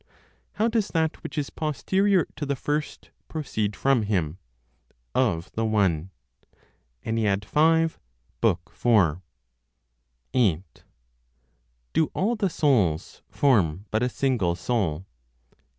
How does that which is Posterior to the First Proceed from Him? Of the One. v. 4. 8. Do all the Souls form but a Single Soul?